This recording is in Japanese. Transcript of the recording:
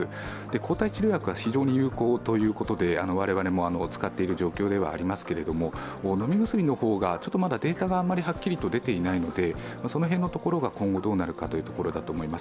抗体治療薬は非常に有効ということで我々も使っている状況ではありますけれども飲み薬の方が、まだデータがはっきりと出ていないので、その辺のところが今後どうなるかというところだと思います。